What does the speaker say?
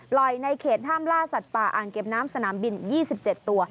ในเขตห้ามล่าสัตว์ป่าอ่างเก็บน้ำสนามบิน๒๗ตัว